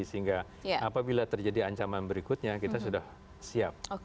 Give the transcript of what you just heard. sehingga apabila terjadi ancaman berikutnya kita sudah siap